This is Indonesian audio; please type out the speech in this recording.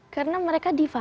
karena mereka diva